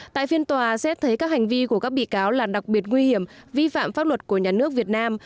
tại phiên tòa xét thấy các hành vi của các bị cáo là đặc biệt nguy hiểm vi phạm pháp luật của nhà nước việt nam